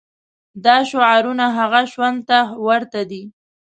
دا شعارونه هغه شخوند ته ورته دي.